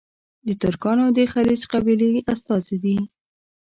د ترکانو د خیلیچ قبیلې استازي دي.